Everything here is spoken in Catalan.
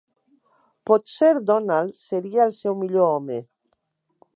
Potser Donald seria el seu millor home.